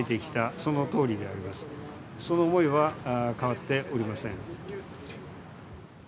その思いは変わっておりません。